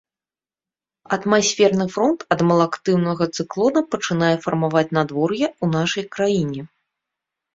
Атмасферны фронт ад малаактыўнага цыклона пачынае фармаваць надвор'е ў нашай краіне.